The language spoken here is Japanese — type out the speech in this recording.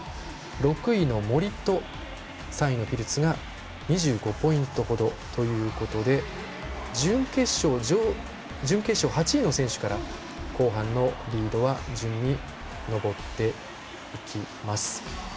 ６位の森と３位のピルツが２５ポイント程ということで準決勝８位の選手から後半のリードは順に登っていきます。